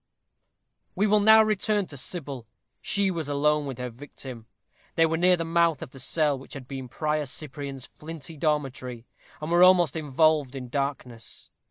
We will now return to Sybil. She was alone with her victim. They were near the mouth of the cell which had been Prior Cyprian's flinty dormitory, and were almost involved in darkness.